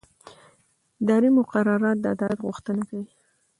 اداري مقررات د عدالت غوښتنه کوي.